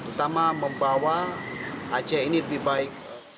pertama membawa aceh ini lebih baik